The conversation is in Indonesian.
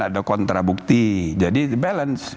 ada kontrabukti jadi balance